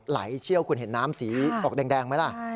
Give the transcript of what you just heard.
ไหลเชี่ยวคุณเห็นน้ำสีออกแดงไหมล่ะ